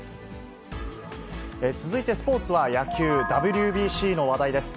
続いてスポーツは野球、ＷＢＣの話題です。